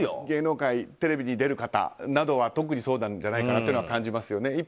芸能界、テレビに出る方などは特にそうなんじゃないかというのは感じますよね。